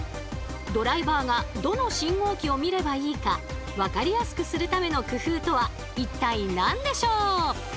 ドライバーがどの信号機を見ればいいかわかりやすくするための工夫とは一体何でしょう？